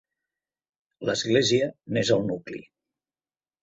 L'església n'és el nucli.